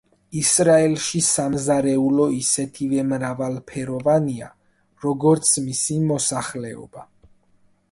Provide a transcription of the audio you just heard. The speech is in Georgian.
ისრაელში სამზარეულო ისეთივე მრავალფეროვანია, როგორიც მისი მოსახლეობა.